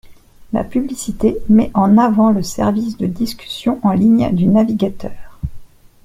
La publicité met en avant le service de discussion en ligne du navigateur.